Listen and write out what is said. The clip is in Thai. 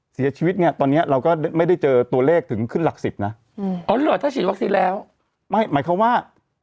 เสียชีวิตเนี่ยตอนนี้เราก็ไม่ได้เจอตัวเลขถึงขึ้นหลักสิบนะ